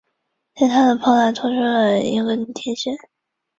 在它的炮塔上多出了一根天线。